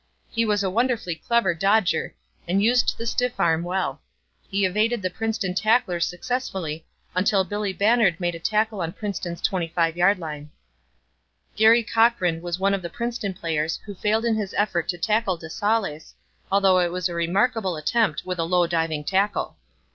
He was a wonderfully clever dodger and used the stiff arm well. He evaded the Princeton tacklers successfully, until Billy Bannard made a tackle on Princeton's 25 yard line. Garry Cochran was one of the Princeton players who failed in his effort to tackle de Saulles, although it was a remarkable attempt with a low, diving tackle.